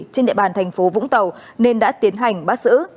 trên địa bàn thành phố vũng tàu nên đã tiến hành bắt xử